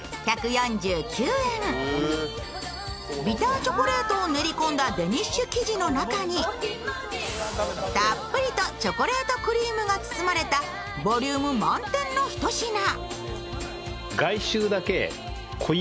ビターチョコレートを練り込んだデニッシュ生地の中にたっぷりとチョコレートクリームが包まれたボリューム満点のひと品。